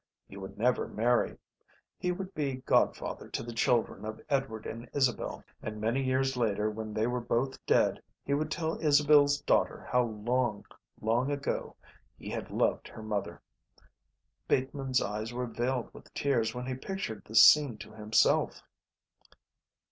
He would never marry. He would be godfather to the children of Edward and Isabel, and many years later when they were both dead he would tell Isabel's daughter how long, long ago he had loved her mother. Bateman's eyes were veiled with tears when he pictured this scene to himself.